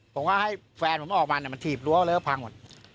ผมก็ให้แฟนผมออกมามันถีบรั้วเลอะพังหมด